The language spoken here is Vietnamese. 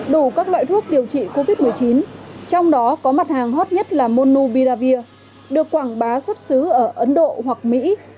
đủ các loại thuốc điều trị covid một mươi chín trong đó có mặt hàng hot nhất là monu biravir được quảng bá xuất xứ ở ấn độ hoặc mỹ